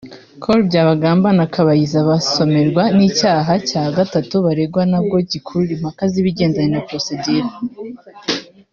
Col Byabagamba na Kabayiza basomerwa n’icyaha cya gatatu baregwa nabwo gikurura impaka z’ibigendanye na ‘procedures’